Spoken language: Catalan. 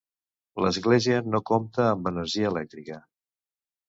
L'església no compta amb energia elèctrica.